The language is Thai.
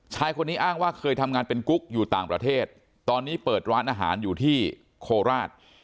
ชายคนนี้อ้างว่าเคยทำงานเป็นกุ๊กอยู่ต่างประเทศตอนนี้เปิดร้านอาหารอยู่ที่โคราช